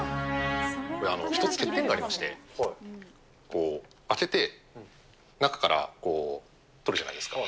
１つ欠点がありまして、開けて、中からこう、取るじゃないですか。